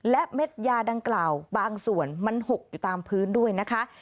และเม็ดยาดังกล่าวบางส่วนมันหกอยู่ตามพื้นด้วยนะคะ